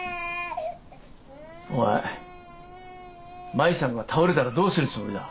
お前麻衣さんが倒れたらどうするつもりだ？